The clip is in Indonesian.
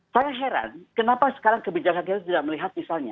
saya heran kenapa sekarang kebijakan kita tidak melihat misalnya